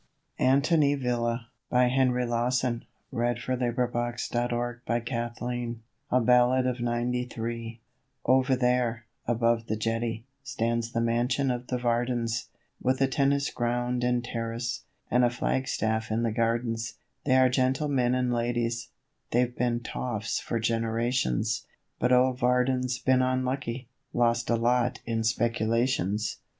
ye you'll hear the Devil laugh at the Bursting of the Boom. ANTONY VILLA A Ballad of Ninety three Over there, above the jetty, stands the mansion of the Vardens, With a tennis ground and terrace, and a flagstaff in the gardens: They are gentlemen and ladies they've been 'toffs' for generations, But old Varden's been unlucky lost a lot in speculations.